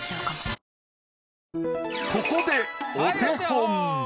ここでお手本。